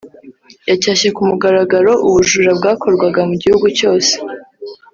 ., yacyashye ku mugaragaro ubujura bwakorwaga mu gihugu cyose